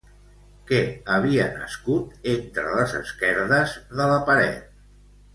Què havia nascut entre les esquerdes de la paret?